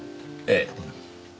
ええ。